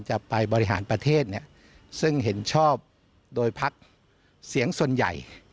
จะไปบริหารประเทศซึ่งเห็นชอบโดยพักเสียงส่วนใหญ่